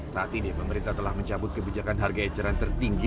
saat ini pemerintah telah mencabut kebijakan harga eceran tertinggi